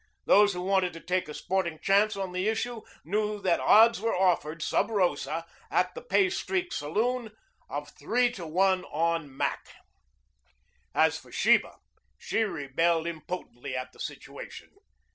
Those who wanted to take a sporting chance on the issue knew that odds were offered sub rosa at the Pay Streak saloon of three to one on Mac. As for Sheba, she rebelled impotently at the situation.